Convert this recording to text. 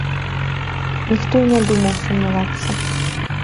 Ніхто і не думаў сумнявацца.